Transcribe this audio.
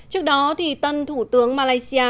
trước đó tân thủ tướng malaysia